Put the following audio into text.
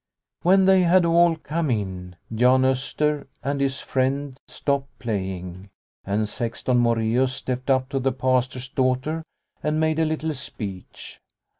When they had all come in, Jan Oster and his friend stopped playing, and Sexton Moreus stepped up to the Pastor's daughter and made a little speech.